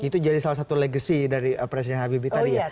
itu jadi salah satu legacy dari presiden habibie tadi ya